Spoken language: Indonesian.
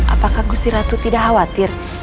apakah gusti ratu tidak khawatir